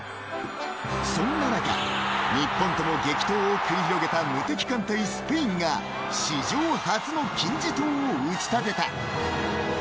そんな中日本との激闘を繰り広げた無敵艦隊・スペインが史上初の金字塔を打ち立てた。